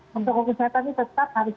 protokol kesehatan ini tetap harus